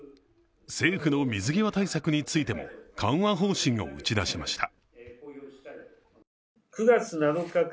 政府の水際対策についても緩和方針を打ち出しました。